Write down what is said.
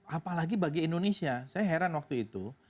apalagi bagi indonesia saya heran waktu itu